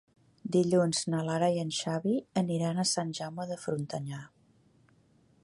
Dilluns na Lara i en Xavi aniran a Sant Jaume de Frontanyà.